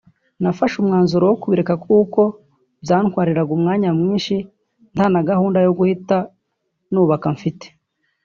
nafashe umwanzuro wo kubireka kuko byantwariraga umwanya mwinshi nta na gahunda yo guhita nubaka mfite